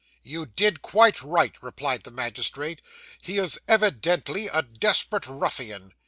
'You did quite right,' replied the magistrate. 'He is evidently a desperate ruffian.